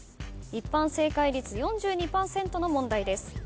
一般正解率４２％の問題です。